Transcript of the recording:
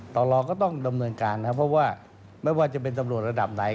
ต่อรอก็ต้องดำเนินการนะครับเพราะว่าไม่ว่าจะเป็นตำรวจระดับไหน